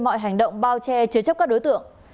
mọi hành động bao che chứa chấp các đối tượng